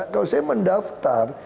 kalau saya mendaftar